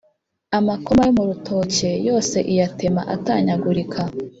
amakoma yo mu rutoke yose iyatema atanyagurika;